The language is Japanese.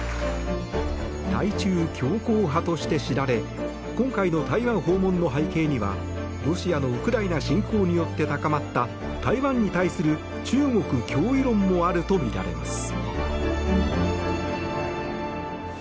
対中強硬派として知られ今回の台湾訪問の背景にはロシアのウクライナ侵攻によって高まった台湾に対する中国脅威論もあるとみられます。